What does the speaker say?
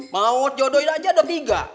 mau jodohin aja ada tiga